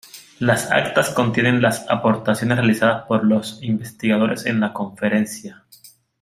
Las actas contienen las aportaciones realizadas por los investigadores en la conferencia.